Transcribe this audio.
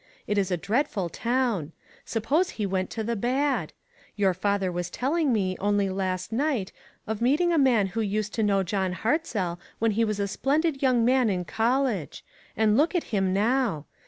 It is a dreadful town. Suppose he went to the bad? Your father was telling me, only last night, of meeting a man who used to know John Hartzell when he was a splendid young man in college. And look at him now!